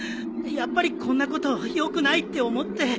やっぱりこんなことよくないって思って。